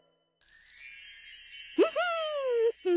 フフフ。